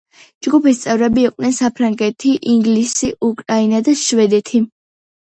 ჯგუფის წევრები იყვნენ საფრანგეთი, ინგლისი, უკრაინა და შვედეთი.